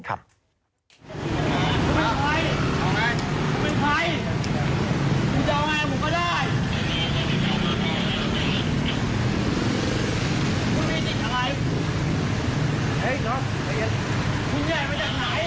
คุณแหงจะไหน